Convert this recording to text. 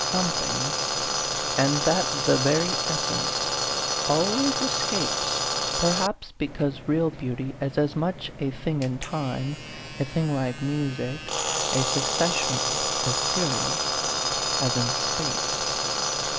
Something and that the very essence always escapes, perhaps because real beau ty is as much a thing in time a thing like music, a succession, a series as in space.